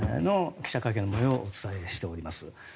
記者会見の模様をお伝えしております。